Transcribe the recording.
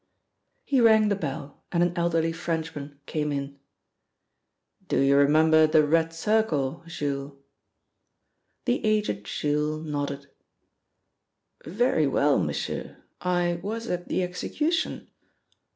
He rang the bell, and an elderly Frenchman came in. "Do you remember the Red Circle, Jules?" The aged Jules nodded. "Very well, m'sieur. I was at the execution.